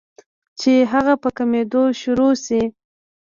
چې هغه پۀ کمېدو شورو شي